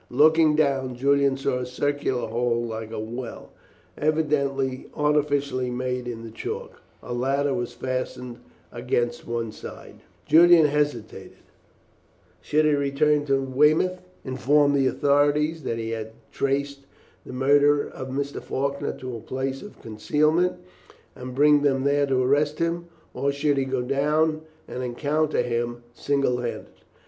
Looking down, Julian saw a circular hole like a well, evidently artificially made in the chalk; a ladder was fastened against one side. [Illustration: JULIAN FINDS HIMSELF A PRISONER AMONG THE SMUGGLERS.] Julian hesitated. Should he return to Weymouth, inform the authorities that he had traced the murderer of Mr. Faulkner to a place of concealment, and bring them there to arrest him, or should he go down and encounter him single handed?